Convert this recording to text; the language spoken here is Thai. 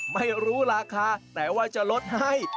ไม่รู้ราคาแต่ว่าจะลดให้